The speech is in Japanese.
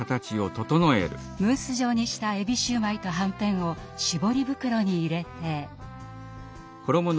ムース状にしたえびシューマイとはんぺんを絞り袋に入れて。